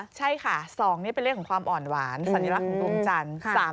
ใช่ค่ะ๒นี่เป็นเลขของความอ่อนหวานสัญลักษณ์ของดวงจันทร์